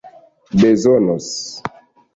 bezonos